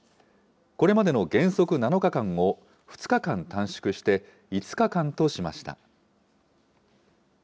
これまでの原則７日間を２日間短縮して、５日間としました。